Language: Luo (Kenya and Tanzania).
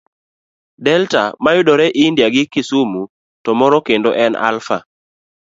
Delta mayudore India gi Kisumu, to moro kendo en Alpha.